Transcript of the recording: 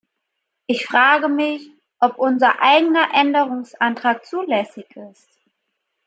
Ich frage mich, ob unser eigener Änderungsantrag zulässig ist.